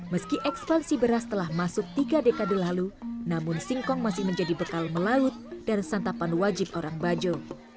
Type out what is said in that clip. meski ekspansi beras telah masuk tiga dekade lalu namun singkong masih menjadi bekal melaut dan santapan wajib orang bajo